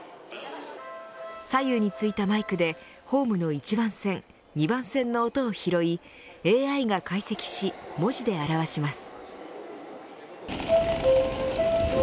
左右についたマイクでホームの１番線２番線の音を拾いＡＩが解析し、文字で表します。